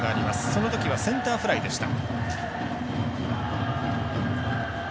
そのときはセンターフライでした。